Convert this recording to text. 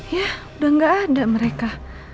ya udah gak ada mereka